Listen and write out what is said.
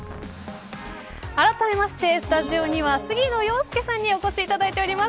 あらためましてスタジオには杉野遥亮さんにお越しいただいております。